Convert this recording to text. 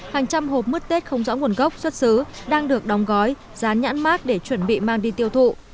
hàng trăm hộp mứt tết không rõ nguồn gốc xuất xứ đang được đóng gói rán nhãn mát để chuẩn bị mang đi tiêu thụ